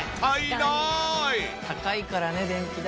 高いからね電気代。